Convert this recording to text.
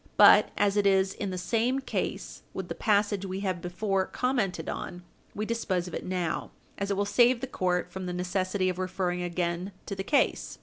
But, as it is in the same case with the passage we have before commented on, we dispose of it now, as it will save the court from the necessity of referring again to the case.